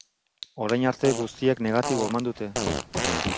Orain arte guztiek negatibo eman dute.